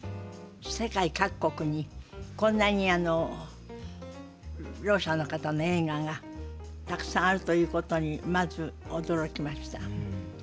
世界各国にこんなにろう者の方の映画がたくさんあるということにまず驚きました。